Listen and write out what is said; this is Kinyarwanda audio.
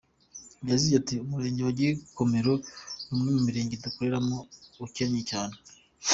Yagize ati “Umurenge wa Gikomero ni umwe mu mirenge dukoreramo ukennye cyane.